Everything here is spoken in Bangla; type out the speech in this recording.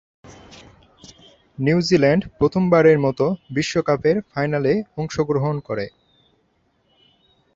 নিউজিল্যান্ড প্রথমবারের মতো বিশ্বকাপের ফাইনালে অংশগ্রহণ করে।